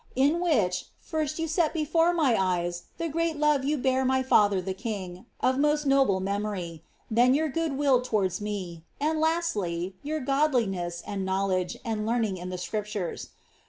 In which, first, you set before my eyes the great love you bear my lither the king, of most noble memory, then your good will towards me, and lastly, your godliness and knowledge, and learning in the Scriptures.